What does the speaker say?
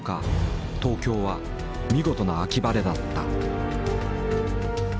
東京は見事な秋晴れだった。